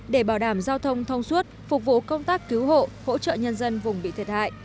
để bảo đảm giao thông thông suốt phục vụ công tác cứu hộ hỗ trợ nhân dân vùng bị thiệt hại